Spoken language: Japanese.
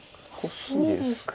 そうですね